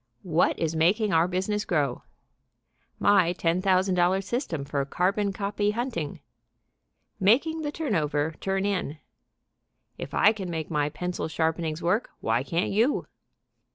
"What Is Making Our Business Grow;" "My $10,000 System of Carbon Copy Hunting;" "Making the Turn Over Turn In;" "If I Can Make My Pencil Sharpenings Work, Why Can't You?"